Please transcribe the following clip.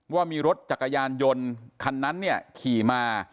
ว่ามีรถจักรยานยนต์คันนั้นเนี่ยขี่มา